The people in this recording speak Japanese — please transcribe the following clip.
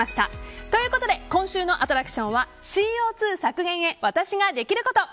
ということで今週のアトラクションはＣＯ２削減に私ができること！